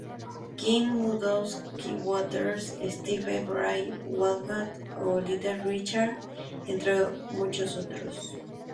King, Muddy Waters, Stevie Ray Vaughan o Little Richard, entre muchos otros.